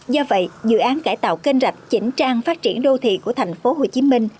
do vậy dự án cải tạo kênh rạch chỉnh trang phát triển đô thị của thành phố hồ chí minh